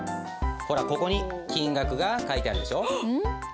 ほらここに金額が書いてあるでしょ？